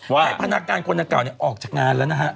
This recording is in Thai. ไขพนาการคนเก่าเนี่ยออกจากงานแล้วนะฮะ